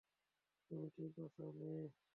তুমি ঠিক আছো, মেয়ে?